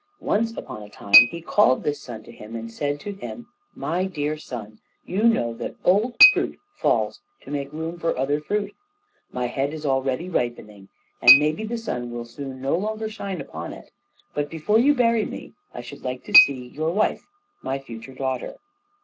Once upon a time he called this son to him and said to him: "My dear son! you know that old fruit falls to make room for other fruit. My head is already ripening, and maybe the sun will soon no longer shine upon it; but before you bury me, I should like to see your wife, my future daughter.